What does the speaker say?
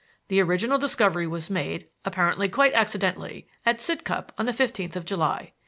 The original discovery was made, apparently quite accidentally, at Sidcup on the fifteenth of July.